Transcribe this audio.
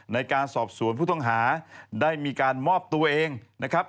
ในการสอบสวนผู้ต้องหาได้มีการมอบตัวเองนะครับ